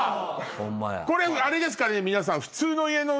これあれですからね皆さん。